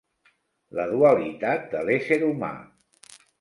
La dualitat de l'ésser humà.